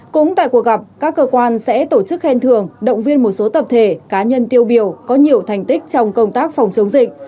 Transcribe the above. cũng tại cuộc gặp các cơ quan sẽ tổ chức khen thường động viên một số tập thể cá nhân tiêu biểu có nhiều thành tích trong công tác phòng chống dịch